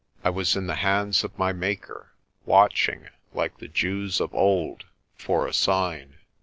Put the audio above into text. I was in the hands of my Maker, watching, like the Jews of old, for a sign.